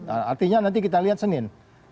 artinya nanti kita lihat senin